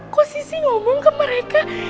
kok sisi ngomong ke mereka